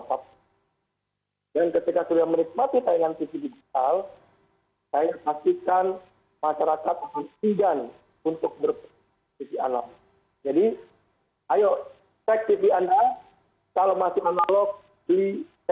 kalau masih analog beli